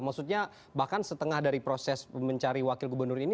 maksudnya bahkan setengah dari proses mencari wakil gubernur ini